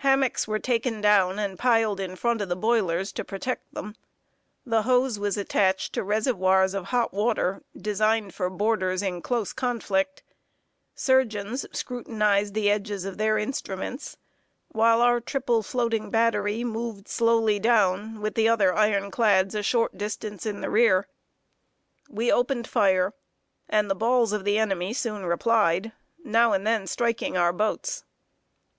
Hammocks were taken down and piled in front of the boilers to protect them; the hose was attached to reservoirs of hot water, designed for boarders in close conflict; surgeons scrutinized the edges of their instruments, while our triple floating battery moved slowly down, with the other iron clads a short distance in the rear. We opened fire, and the balls of the enemy soon replied, now and then striking our boats.